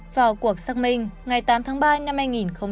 vào cuộc xác minh ngày tám tháng ba năm hai nghìn hai mươi